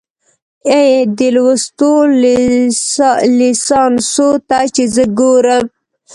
اې، دې لوستو ليسانسو ته چې زه ګورم